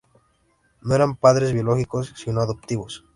No eran padres biológicos, sino adoptivos.